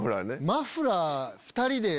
マフラー２人で。